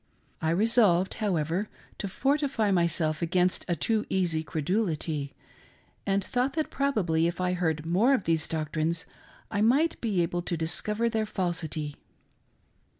I resolved, however, to fortify myself against a too easy credulity, and thought that probably if I heard more of these doqtrines I might be able to discover their falsity.